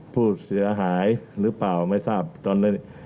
ผู้เสียหายหรือเปล่าไม่ทราบตอนนั้น